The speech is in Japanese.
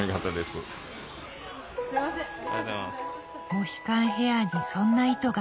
モヒカンヘアにそんな意図が。